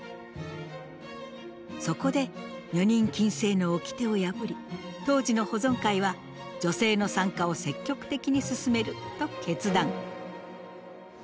そこで女人禁制のおきてを破り当時の保存会は女性の参加を積極的にすすめると決断。